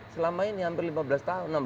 selama ini hampir lima belas tahun